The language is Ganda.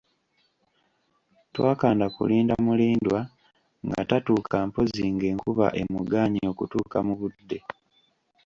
Twakanda kulinda Mulindwa nga tatuuka mpozzi ng'enkuba emugaanyi okutuuka mu budde.